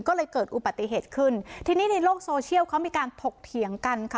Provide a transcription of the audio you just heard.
ก็เลยเกิดอุบัติเหตุขึ้นทีนี้ในโลกโซเชียลเขามีการถกเถียงกันค่ะ